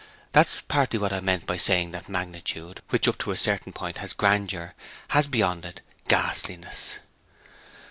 That's partly what I meant by saying that magnitude, which up to a certain point has grandeur, has beyond it ghastliness.'